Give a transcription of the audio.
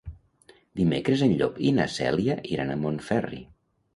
Dimecres en Llop i na Cèlia iran a Montferri.